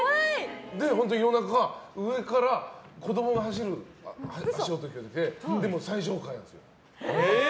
本当に夜中上から子供が走る足音がしてでも最上階なんですよ。